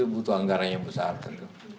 butuh anggarannya besar tentu